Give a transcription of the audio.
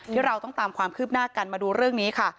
เราต้องตามความคืบหน้ากันมาดูเรื่องนี้ค่ะ